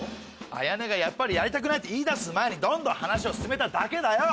綾音がやっぱりやりたくないって言いだす前にどんどん話を進めただけだよ！